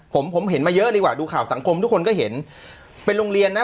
ผมผมเห็นมาเยอะดีกว่าดูข่าวสังคมทุกคนก็เห็นเป็นโรงเรียนนะ